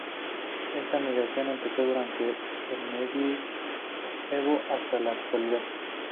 Esta migración empezó durante el medievo hasta la actualidad.